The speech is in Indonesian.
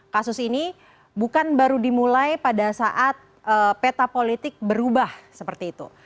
kasus ini bukan baru dimulai pada saat peta politik berubah seperti itu